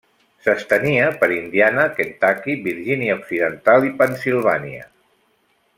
S'estenia per Indiana, Kentucky, Virgínia Occidental i Pennsilvània.